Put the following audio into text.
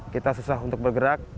kita susah untuk bergerak